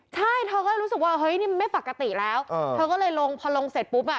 ใช่เธอก็เลยรู้สึกว่าเฮ้ยนี่มันไม่ปกติแล้วเธอก็เลยลงพอลงเสร็จปุ๊บอ่ะ